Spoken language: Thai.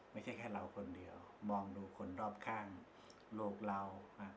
ไม่ใช่แค่เราคนเดียวมองดูคนรอบข้างโลกเรา